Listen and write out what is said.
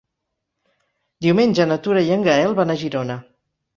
Diumenge na Tura i en Gaël van a Girona.